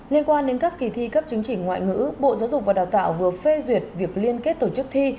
liên quan đến các kỳ thi cấp chứng chỉ ngoại ngữ bộ giáo dục và đào tạo vừa phê duyệt việc liên kết tổ chức thi